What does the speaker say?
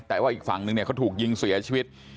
แต่ว่าอีกฝั่งนึงเนี่ยเขาถูกยิงเสียชีวิต